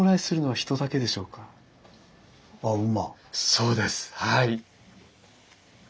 そうですはい。